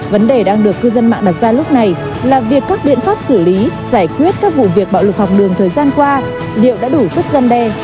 vấn đề đang được cư dân mạng đặt ra lúc này là việc các biện pháp xử lý giải quyết các vụ việc bạo lực học đường thời gian qua liệu đã đủ sức gian đe